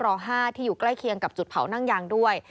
ร๕ที่อยู่ใกล้เคียงกับจุดเผานั่งยางด้วย